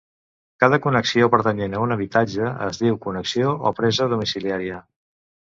Cada connexió pertanyent a un habitatge es diu connexió o presa domiciliària.